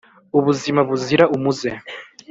Ubuzima buzira umuze